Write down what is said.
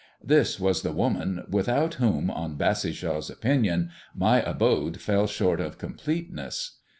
This was the woman without whom, in Bassishaw's opinion, my abode fell short of completeness.